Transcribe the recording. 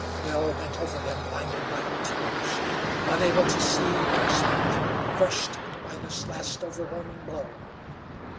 Nell bent over him blinded by her tears, unable to see or speak, crushed by this last overwhelming blow.